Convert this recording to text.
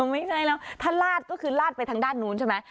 ไม่ใช่แล้วถ้าลาดก็คือลาดไปทางด้านนู้นใช่ไหม